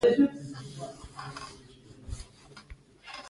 په وروستیو کې د نړۍ د بېوزلو هېوادونو مطالعه اړینه ده.